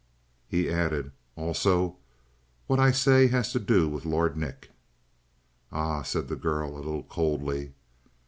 He added: "Also, what I say has to do with Lord Nick." "Ah," said the girl a little coldly.